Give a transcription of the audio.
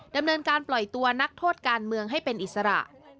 ดำเนินการปล่อยตัวนักโทษการเมืองให้เป็นอิสระ